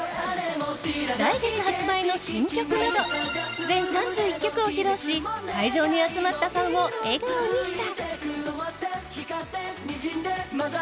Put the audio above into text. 来月発売の新曲など全３１曲を披露し会場に集まったファンを笑顔にした。